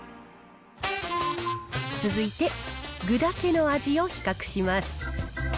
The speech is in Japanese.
続いて、具だけの味を比較します